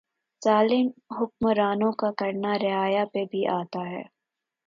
ظالم حکمرانوں کا کرنا رعایا پہ بھی آتا ھے